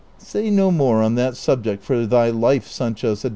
" Say no more on that subject for thy life, Sancho," said Don ' I'rov.